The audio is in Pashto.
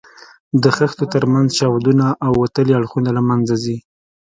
د خښتو تر منځ چاودونه او وتلي اړخونه له منځه ځي.